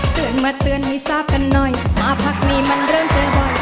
เตือนมาเตือนให้ทราบกันหน่อยมาพักนี้มันเริ่มใจบ่อย